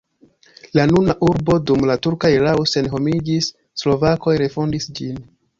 La nuna urbo dum la turka erao senhomiĝis, slovakoj refondis ĝin.